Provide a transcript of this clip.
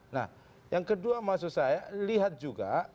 nah yang kedua maksud saya lihat juga